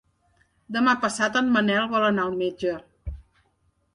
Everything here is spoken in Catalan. Demà passat en Manel vol anar al metge.